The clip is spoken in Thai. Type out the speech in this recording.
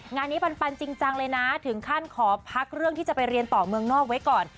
งานนี้ปันจริงจังเลยนะถึงขั้นขอพักเรื่องที่จะไปเรียนต่อเมืองนอกไว้ก่อน